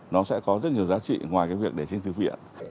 nó sẽ có rất nhiều giá trị ngoài cái việc để chinh thức viện